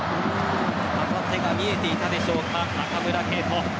旗手が見えていたでしょうか中村敬斗。